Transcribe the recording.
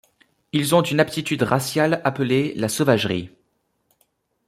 Ils ont une aptitude raciale appelée la sauvagerie.